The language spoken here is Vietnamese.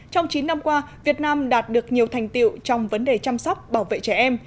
trong chín năm qua việt nam đạt được nhiều thành tiệu trong vấn đề chăm sóc bảo vệ trẻ em